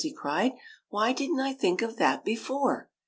" he cried. "Why didn't I think of that before?"